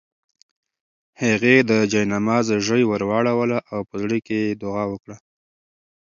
هغې د جاینماز ژۍ ورواړوله او په زړه کې یې دعا وکړه.